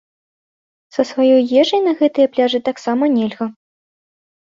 Са сваёй ежай на гэтыя пляжы таксама нельга.